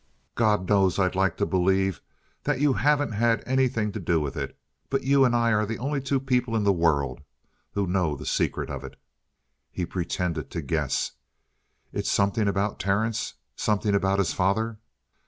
"God knows I'd like to believe that you haven't had anything to do with it. But you and I are the only two people in the world who know the secret of it " He pretended to guess. "It's something about Terence? Something about his father?"